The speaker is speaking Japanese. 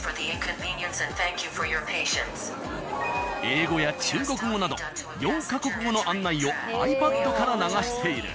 英語や中国語など４ヵ国語の案内をｉＰａｄから流している。